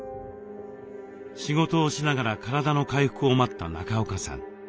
仕事をしながら体の回復を待った中岡さん。